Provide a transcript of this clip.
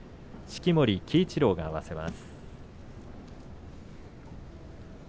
式守鬼一郎が合わせます。